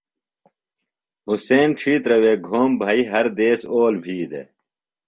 حُسین ڇِھیتر وے گھوم بھئی ہر دیس اول بھی دےۡ۔